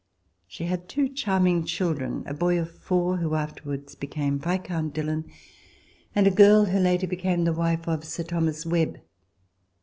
She had two charming children — a boy of four, who afterwards became Viscount Dillon, and a girl who later became the wife of Sir Thomas Webb.